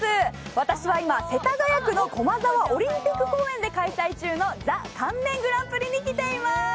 私は今、世田谷区の駒沢オリンピック公園で開催中のＴＨＥ乾麺グランプリに来ています。